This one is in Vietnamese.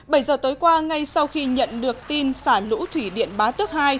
bảy giờ tối qua ngay sau khi nhận được tin xã lũ thủy điện bá tước hai